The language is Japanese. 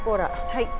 はい。